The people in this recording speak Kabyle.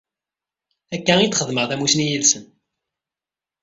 Akka i xedmeɣ-d tamussni yid-sen.